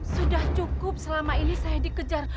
sudah cukup selama ini saya dikejar